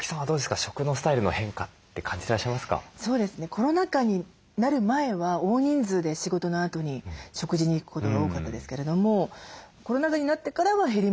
コロナ禍になる前は大人数で仕事のあとに食事に行くことが多かったですけれどもコロナ禍になってからは減りましたかね。